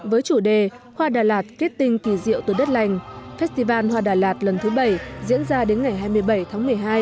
với chủ đề hoa đà lạt kết tinh kỳ diệu từ đất lành festival hoa đà lạt lần thứ bảy diễn ra đến ngày hai mươi bảy tháng một mươi hai